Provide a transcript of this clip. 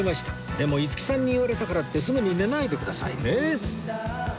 でも五木さんに言われたからってすぐに寝ないでくださいね